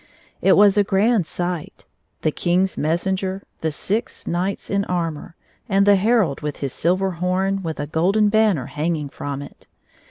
It was a grand sight — the King's messenger, the six knights in armor, and the herald with his silver horn with a golden banner hangmg from it.